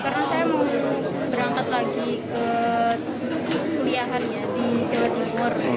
karena saya mau berangkat lagi ke kuliahan di jawa timur